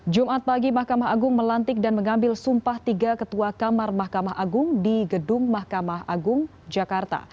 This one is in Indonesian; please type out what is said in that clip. jumat pagi mahkamah agung melantik dan mengambil sumpah tiga ketua kamar mahkamah agung di gedung mahkamah agung jakarta